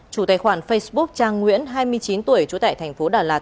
chủ tài khoản facebook trang nguyễn hai mươi chín tuổi trú tại tp đà lạt